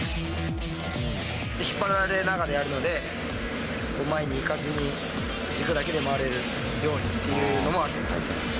引っ張られながらやるので、前に行かずに、軸だけで回れるようにというのもあります。